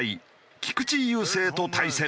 菊池雄星と対戦。